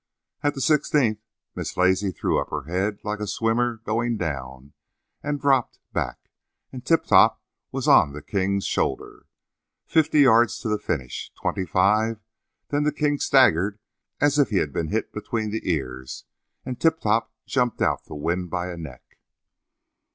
At the sixteenth Miss Lazy threw up her head like a swimmer going down and dropped back, and Tip Top was on the King's shoulder. Fifty yards to the finish; twenty five then the King staggered as if he'd been hit between the ears, and Tip Top jumped out to win by a neck.